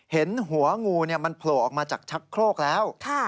เห็นหัวงูมันโผล่ออกมาจากชักโครกแล้ว